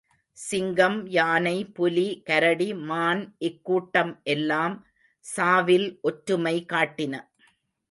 சிங்கம், யானை, புலி, கரடி, மான் இக்கூட்டம் எல்லாம் சாவில் ஒற்றுமை காட்டின.